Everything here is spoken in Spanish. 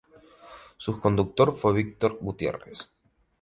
Sus conductor fue Victor Gutierrez